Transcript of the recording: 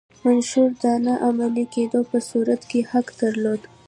منشور د نه عملي کېدو په صورت کې حق درلود.